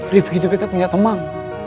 rizky itu bete punya teman